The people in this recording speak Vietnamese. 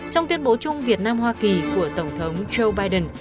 trong tuyên bố chung việt nam hoa kỳ của tổng thống joe biden